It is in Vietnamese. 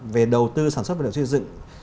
về đầu tư sản xuất vật liệu xây dựng